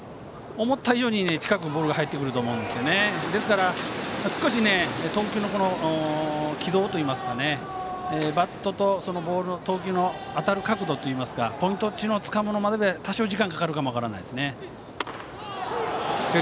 思った以上に近くにボールに入ってくると思いますから投球の軌道といいますかバットとボールの当たる角度といいますかポイントをつかむまでに多少、時間がかかるかもしれませんね。